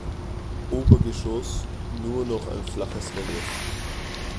Obergeschoss nur noch ein flaches Relief.